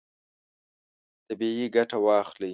طبیعي ګټه واخلئ.